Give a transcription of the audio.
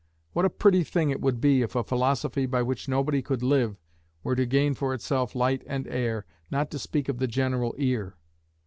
What a pretty thing it would be if a philosophy by which nobody could live were to gain for itself light and air, not to speak of the general ear!